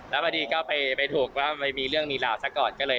แล้วพอดีก็ไปถูกว่ามันมีเรื่องมีราวซะก่อน